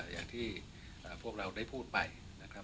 อย่างที่พวกเราได้พูดไปนะครับ